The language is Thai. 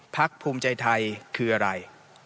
ภักดิ์ภูมิใจไทยคืออะไร